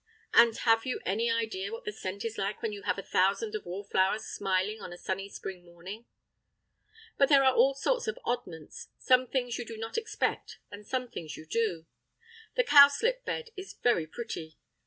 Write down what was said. And have you any idea what the scent is like when you have thousands of wallflowers smiling on a sunny spring morning? But there are all sorts of oddments, some things you do not expect and some things you do. The cowslip bed is very pretty.